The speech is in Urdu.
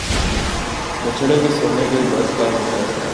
بچھڑے کے سونے کے بت کا ذکر